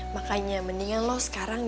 makanya mendingan lo sekarang